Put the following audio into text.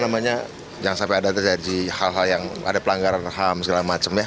jangan sampai ada terjadi hal hal yang ada pelanggaran ham segala macam ya